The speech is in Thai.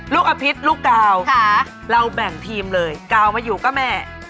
ลูกอภิกษ์ลูกก้าวค่ะเราแบ่งทีมเลยก้าวมาอยู่กับแม่